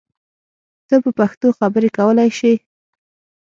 ته په پښتو خبری کولای شی!